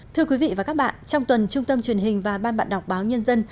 thưa quý vị và các bạn trong tuần trung tâm truyền hình và ban bạn đọc báo nhân dân